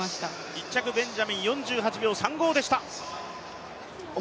１着ベンジャミン、４８秒３５でした。